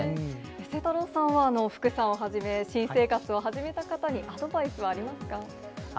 晴太郎さんは、福さんをはじめ、新生活を始めた方にアドバイスはありますか？